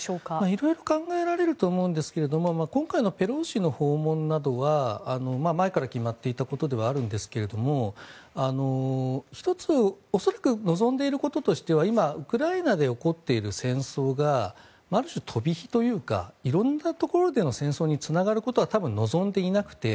色々考えられると思うんですが今回のペロシ氏の訪問などは前から決まっていたことではあるんですが１つ恐らく望んでいることとしては今ウクライナで起こっている戦争がある種、飛び火というか色んなところでの戦争につながることは多分、望んでいなくて。